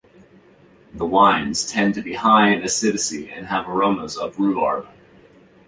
The wines tend to be high in acidity and have aromas of rhubarb.